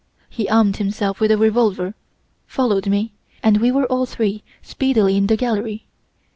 He armed himself with a revolver, followed me, and we were all three speedily in the gallery.